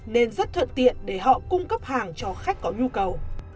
nên rất thuận tiện để họ cung cấp hàng cho khách có nhu cầu